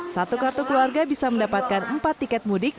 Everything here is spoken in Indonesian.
satu kartu keluarga bisa mendapatkan empat tiket mudik